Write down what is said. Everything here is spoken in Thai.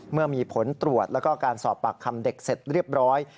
เมื่อมีผลตรวจแล้วก็การสอบปากคำเด็กเสร็จเรียบร้อย